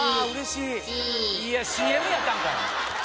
いやＣＭやったんかい！